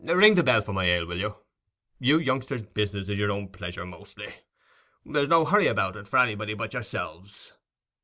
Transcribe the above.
"Ring the bell for my ale, will you? You youngsters' business is your own pleasure, mostly. There's no hurry about it for anybody but yourselves."